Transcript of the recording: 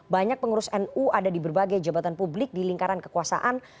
banyak pengurus nu ada di berbagai jabatan publik di lingkaran kekuasaan